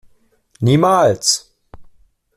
Niemals!